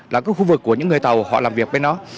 là cái khu vực của những người tàu họ làm việc bên đó